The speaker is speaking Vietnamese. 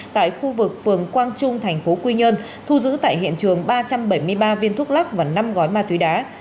tại khu vực phường quang trung thành phố quy nhơn thu giữ tại hiện trường ba trăm bảy mươi ba viên thuốc lắc và năm gói ma túy đá